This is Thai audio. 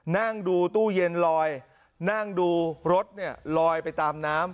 นั่งดูตู้เย็นลอยนั่งดูรถเนี่ยลอยไปตามน้ำ